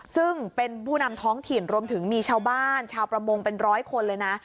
ซึ่งเป็นผู้นำท้องถิ่นรวมถึงมีชาวบ้านชาวประมงเป็นร้อยคนเลยนะ